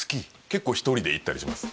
結構１人で行ったりします